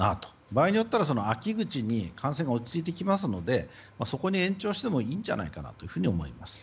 場合によっては秋口には感染が落ち着いてきますのでそこに延長してもいいんじゃないかと思います。